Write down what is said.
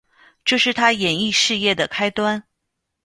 这是她演艺事业的开端。